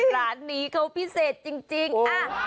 ร้านนี้เขาพิเศษจริง